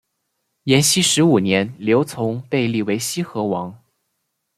延熙十五年刘琮被立为西河王。